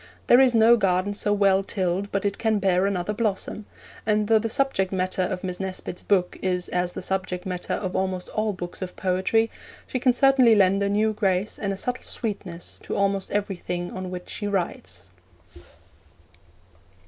There is no garden so well tilled but it can bear another blossom, and though the subject matter of Miss Nesbit's book is as the subject matter of almost all books of poetry, she can certainly lend a new grace and a subtle sweetness to almost everything on which she writes.